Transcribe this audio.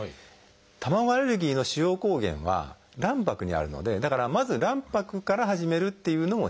卵アレルギーの主要抗原は卵白にあるのでだからまず卵白から始めるっていうのも一つ手ですね。